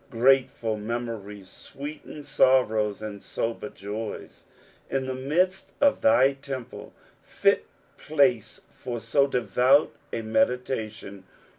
Grateful memories sweeten sorrows and sober jaji. "Inthft mid»t of thy temple." Fit place for so devout a meditation.